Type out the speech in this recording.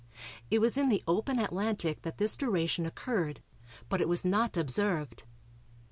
It was in the open Atlantic that this duration occurred, but it was not observed.